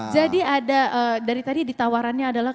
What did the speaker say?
jadi ada dari tadi ditawarannya adalah